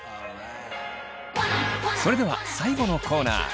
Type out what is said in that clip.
それでは最後のコーナー。